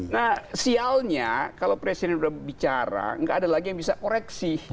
nah sialnya kalau presiden sudah bicara nggak ada lagi yang bisa koreksi